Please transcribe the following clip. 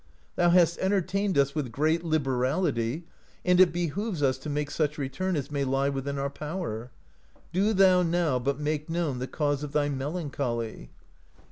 Thou hast entertained us with great liberality, and it behooves us to make such return as may lie within our power. Do thou now but make known the cause of thy melancholy."